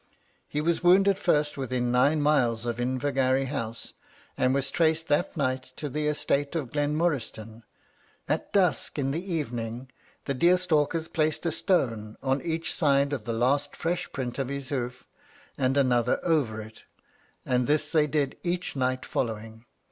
He was wounded first within nine miles of Invergarry House, and was traced that night to the estate of Glenmoriston. At dusk in the evening the deer stalkers placed a stone on each side of the last fresh print of his hoof, and another over it; and this they did each night following.